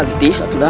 litis atuh dah